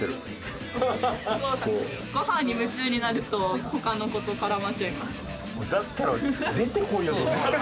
ご飯に夢中になると他の子と絡まっちゃいます。